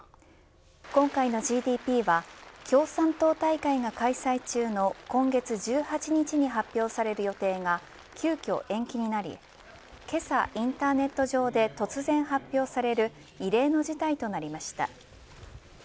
今回のＧＤＰは共産党大会が開催中の今月１８日に発表される予定が急きょ延期になりけさインターネット上で突然発表される異例の事態となりました。